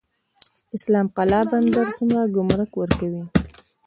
اسلام قلعه بندر څومره ګمرک ورکوي؟